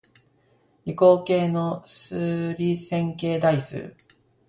理工系の数理線形代数